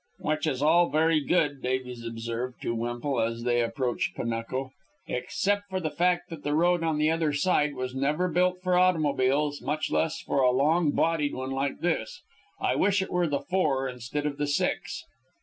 "Which is all very good," Davies observed to Wemple as they approached Panuco, "except for the fact that the road on the other side was never built for automobiles, much less for a long bodied one like this. I wish it were the Four instead of the Six."